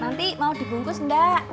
manti mau dibungkus mbak